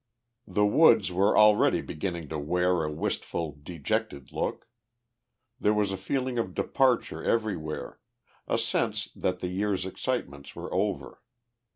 The woods were already beginning to wear a wistful, dejected look. There was a feeling of departure everywhere, a sense that the year's excitements were over.